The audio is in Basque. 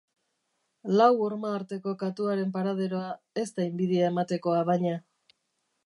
Lau horma arteko katuaren paraderoa ez da inbidia ematekoa baina.